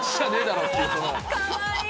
かわいい。